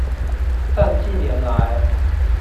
但近年來